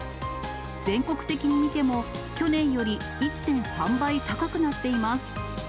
全国的に見ても、去年より１．３倍高くなっています。